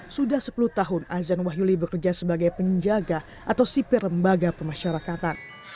sudah sepuluh tahun azan wahyuli bekerja sebagai penjaga atau sipir lembaga pemasyarakatan